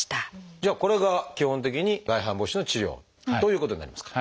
じゃあこれが基本的に外反母趾の治療ということになりますか？